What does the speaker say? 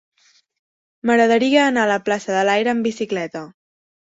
M'agradaria anar a la plaça de l'Aire amb bicicleta.